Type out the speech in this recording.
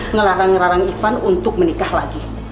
ngelarang ngelarang ivan untuk menikah lagi